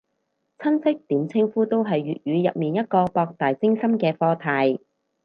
親戚點稱呼都係粵語入面一個博大精深嘅課題